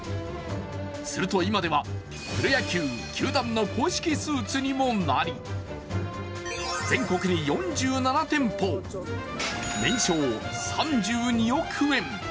すると今では、プロ野球球団の公式スーツにもなり全国に４７店舗、年商３２億円。